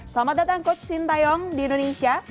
selamat datang coach shin taeyong di indonesia